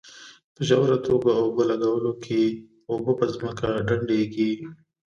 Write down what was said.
په ژوره توګه اوبه لګولو کې اوبه په ځمکه کې ډنډېږي.